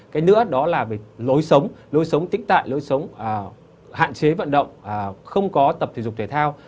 cái nữa đó là về lối sống lối sống tĩnh tại lối sống hạn chế vận động không có tập thể dục thể thao